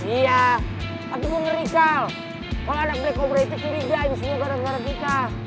iya tapi gue ngeri kal kalau anak black cobra itu curiga di sini gara gara kita